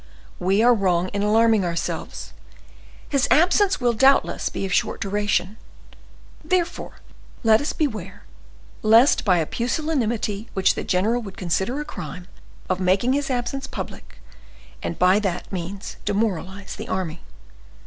We are wrong in alarming ourselves; his absence will, doubtless, be of short duration; therefore, let us beware, lest by a pusillanimity which the general would consider a crime, of making his absence public, and by that means demoralize the army.